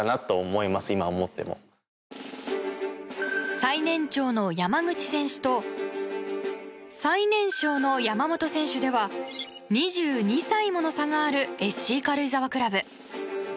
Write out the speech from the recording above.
最年長の山口選手と最年少の山本選手では２２歳もの差があるＳＣ軽井沢クラブ。